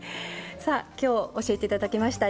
さあ今日教えて頂きました